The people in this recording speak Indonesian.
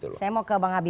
oke saya mau ke bang abi